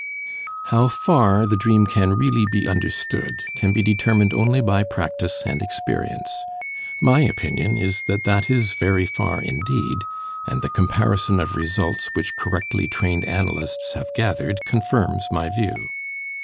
How far the dream can really be understood can be determined only by practice and experience. My opinion is, that that is very far indeed, and the comparison of results which correctly trained analysts have gathered confirms my view.